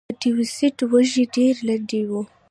د تیوسینټ وږی ډېر لنډ و.